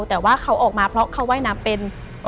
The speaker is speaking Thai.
แต่ว่าเขาออกมาเพราะเขาว่ายน้ำเป็น